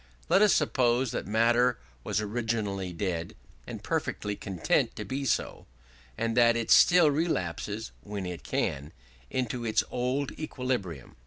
Let us suppose that matter was originally dead, and perfectly content to be so, and that it still relapses, when it can, into its old equilibrium.